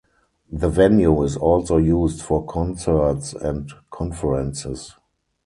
The venue is also used for concerts and conferences.